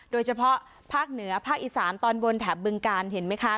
โดยเฉพาะภาคเหนือภาคอีสานตอนบนแถบบึงการเห็นไหมคะ